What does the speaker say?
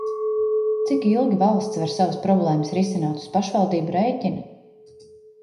Cik ilgi valsts var savas problēmas risināt uz pašvaldību rēķina?